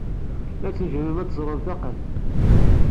Ad tnejjmem ad treẓmem taqqet.